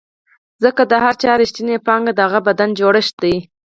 ځکه د هر چا رښتینې پانګه د هغه بدن جوړښت دی.